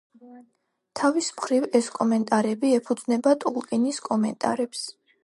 თავის მხრივ, ეს კომენტარები ეფუძნება ტოლკინის კომენტარებს.